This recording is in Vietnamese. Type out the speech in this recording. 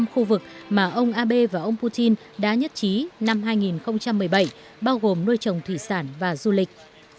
năm khu vực mà ông abe và ông putin đã nhất trí năm hai nghìn một mươi bảy bao gồm nuôi trồng thủy sản và du lịch